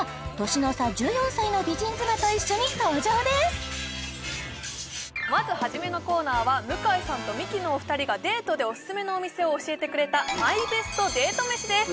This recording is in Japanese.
年の差１４歳の美人妻と一緒に登場ですまず初めのコーナーは向井さんとミキのお二人がデートでオススメのお店を教えてくれたＭＹＢＥＳＴデート飯です